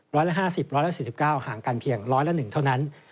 ๑๐๐และ๕๐๑๐๐และ๔๙ห่างกันเพียง๑๐๐และ๑เท่านั้น